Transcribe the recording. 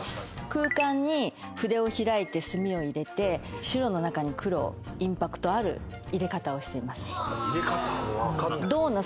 空間に筆を開いて墨を入れて白の中に黒をインパクトある入れ方をしています。